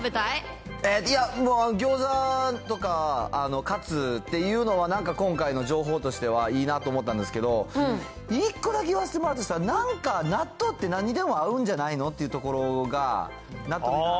いや、もうギョーザとか、カツっていうのはなんか今回の情報としてはいいなと思ったんですけど、一個だけ言わせてもらうとしたら、なんか納豆って、なんにでも合うんじゃないのっていうところが、なんとなく。